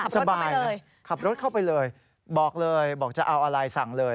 สบายเลยขับรถเข้าไปเลยบอกเลยบอกจะเอาอะไรสั่งเลย